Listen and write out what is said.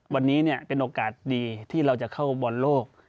วันนี้เป็นโอกาสดีที่เราจะเข้าบอลโลก